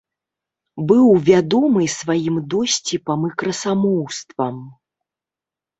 Быў вядомы сваім досціпам і красамоўствам.